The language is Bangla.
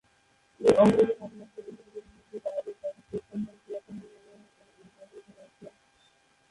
এই অবরোধের ঘটনাটি ইহুদিদের হিব্রু বাইবেল, তথা খ্রিস্টানদের পুরাতন নিয়মের -এ বর্ণিত রয়েছে।